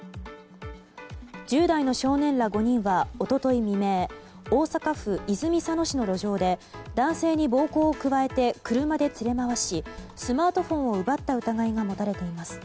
１０代の少年ら５人は一昨日未明大阪府泉佐野市の路上で男性に暴行を加えて車で連れ回し、スマートフォンを奪った疑いが持たれています。